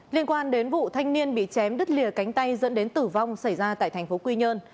liên quan đến vụ thanh niên bị chém đứt lìa cánh tay dẫn đến tử vong xảy ra tại thành phố quy nhơn